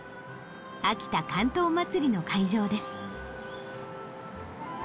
秋田竿燈まつりの会場です。